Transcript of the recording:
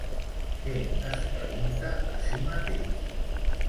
Què es pregunta a si mateix?